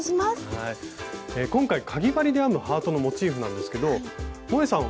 今回かぎ針で編むハートのモチーフなんですけどもえさん